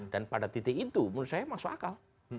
dan pada titik itu menurut saya masuk akal